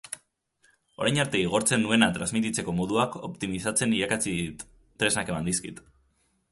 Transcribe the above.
Orain arte igortzen nuena transmititzeko moduak optimizatzen irakatsi dit, tresnak eman dizkit.